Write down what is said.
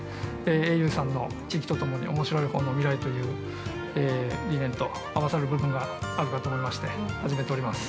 ａｕさんの「地域とともに、おもしろいほうの未来」という理念と合わさる部分があるかと思いまして始めております。